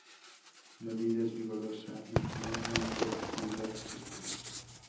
La vid es vigorosa y tiene una productividad alta.